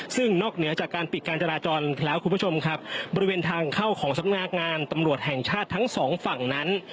ซึ่งนอกเหนือจากการปิดการจราจรแล้วคุณผู้ชมครับบริเวณทางเข้าของสำนักงานตำรวจแห่งชาติทั้งสองฝั่งนั้น